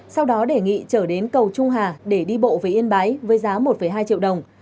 sau đó đề nghị trở đến cầu trung hà để đi bộ về yên bái với giá một hai triệu đồng